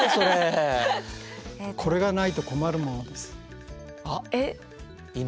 これがないと困るものです。